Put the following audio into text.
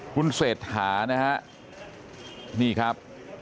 คุณเศรษฐานี่ครับ